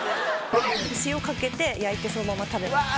塩かけて焼いてそのまま食べます。